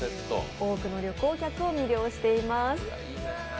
多くの旅行客を魅了しています。